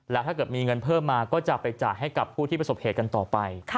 แล้วถ้าเกิดมีเงินเพิ่มมาก็จะไปจ่ายให้กับผู้ที่ประสบเหตุกันต่อไป